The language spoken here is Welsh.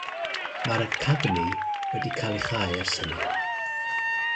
Mae'r Academi wedi cael ei chau ers hynny.